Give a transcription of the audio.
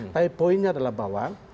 tapi poinnya adalah bahwa